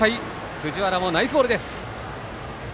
藤原もナイスボールです。